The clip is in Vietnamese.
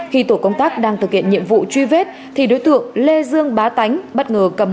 khi tổ công tác đang thực hiện nhiệm vụ truy vết thì đối tượng lê dương bá tánh bất ngờ cầm